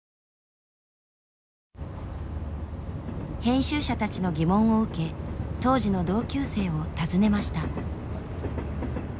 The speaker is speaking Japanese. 編集者たちの疑問を受け当時の同級生を訪ねました。